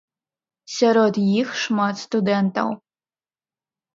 Сярод іх шмат студэнтаў.